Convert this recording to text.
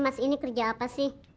ha kok unik tuh wabah